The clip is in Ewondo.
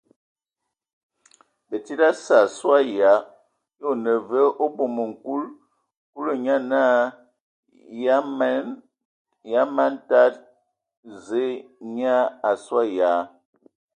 Batsidi ase a suan ya, a o nə vǝ o bomoŋ nkul. Kulu nye naa: Yǝ man tada Zǝə nyaa a sɔ ya ?.